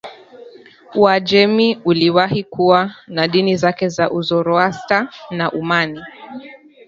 Uajemi iliwahi kuwa na dini zake za Uzoroasta na Umani